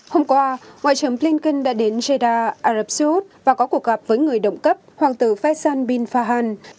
hôm qua ngoại trưởng blinken đã đến jeddah ả rập xê út và có cuộc gặp với người động cấp hoàng tử faisal bin farhan